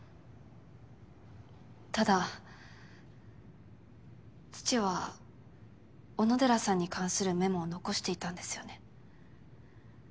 ただ父は小野寺さんに関するメモを遺していたんですよね？